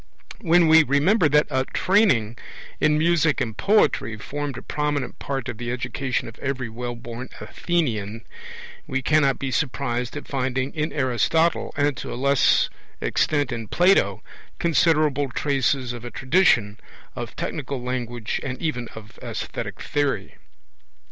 When we remember that a training in music and poetry formed a prominent part of the education of every wellborn Athenian, we cannot be surprised at finding in Aristotle, and to a less extent in Plato, considerable traces of a tradition of technical language and even of aesthetic theory.